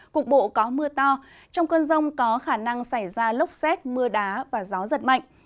cục bộ có mưa to trong cơn rông có khả năng xảy ra lốc xét mưa đá và gió giật mạnh